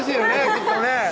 きっとね